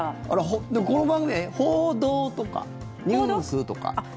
でも、この番組報道とかニュースとか。